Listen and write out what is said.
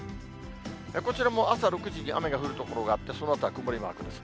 こちらも朝６時に雨が降る所があって、そのあとは曇りマークです。